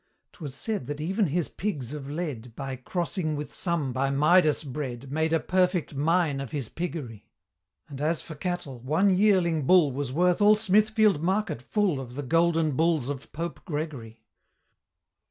'Twas said that even his pigs of lead, By crossing with some by Midas bred, Made a perfect mine of his piggery. And as for cattle, one yearling bull Was worth all Smithfield market full Of the Golden Bulls of Pope Gregory.